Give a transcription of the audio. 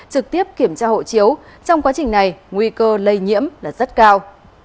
trực tiếp kiểm tra hộ chiếu trong quá trình này nguy cơ lây nhiễm là rất cao